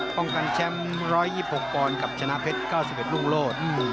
ป้องกันแชมป์๑๒๖ปอนด์กับชนะเพชร๙๑รุ่งโลศ